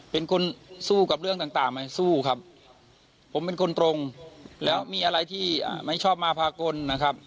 เป็นคนสู้กับเรื่องต่างไหมสู้ครับผมเป็นคนตรงแล้วมีอะไรที่ไม่ชอบมาพากลนะครับ